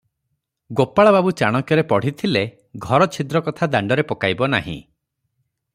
ଗୋପାଳବାବୁ ଚାଣକ୍ୟରେ ପଢ଼ିଥିଲେ, ଘର ଛିଦ୍ର କଥା ଦାଣ୍ଡରେ ପକାଇବ ନାହିଁ ।